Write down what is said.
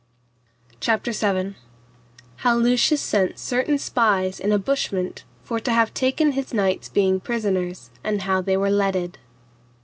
CHAPTER VII. How Lucius sent certain spies in a bushment for to have taken his knights being prisoners, and how they were letted.